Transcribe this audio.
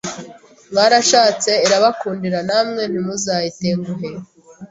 Mwarashatse irabakundira namwe ntimuzayitenguhe